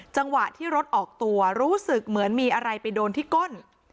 จังหวะที่รถออกตัวรู้สึกเหมือนมีอะไรไปโดนที่ก้น